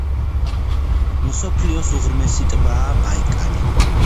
მსოფლიოს უღრმესი ტბაა ბაიკალი.